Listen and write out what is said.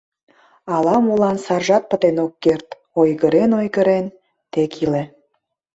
— Ала-молан саржат пытен ок керт, ойгырен-ойгырен, тек иле...